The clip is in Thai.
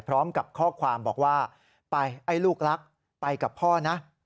พร้อมกับข้อความบอกว่าไปไอ้ลูกรักไปกับพ่อนะ